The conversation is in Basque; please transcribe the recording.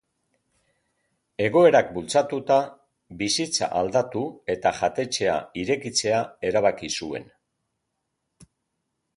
Egoerak bultzatuta, bizitza aldatu eta jatetxea irekitzea erabaki zuen.